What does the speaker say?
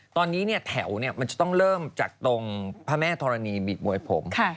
ตอนนี้เนี่ยแถวเนี่ยมันจะต้องเริ่มจากตรงพระแม่ธรณีบิตมวยพงศ์